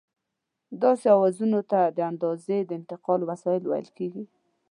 داسې اوزارونو ته د اندازې د انتقال وسایل ویل کېږي.